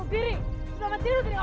udah ajar aja dia